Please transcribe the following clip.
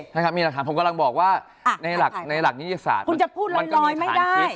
นะครับมีหลักฐานผมกำลังบอกว่าในหลักนิติศาสตร์มันก็มีฐานคิด